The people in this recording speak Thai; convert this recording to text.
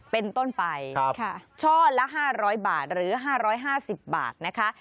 เป็นต้นไปช่อละ๕๐๐บาทหรือ๕๕๐บาทนะคะ